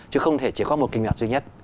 chứ không thể chỉ có một kinh ngạch duy nhất